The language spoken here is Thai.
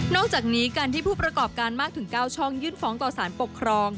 อกจากนี้การที่ผู้ประกอบการมากถึง๙ช่องยื่นฟ้องต่อสารปกครอง